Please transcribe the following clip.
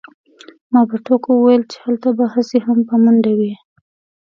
ما په ټوکه وویل چې هلته به هسې هم په منډه وې